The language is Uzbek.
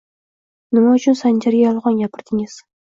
Nima uchun Sanjarga yolg‘on gapirdingiz